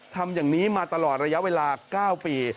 ทำอย่างนี้มาตลอดระยะเวลา๙ปี